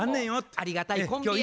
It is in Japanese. ありがたいコンビや。